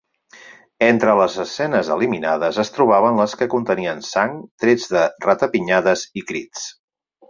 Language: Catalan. Entre les escenes eliminades es trobaven les que contenien sang, trets de ratapinyades i crits.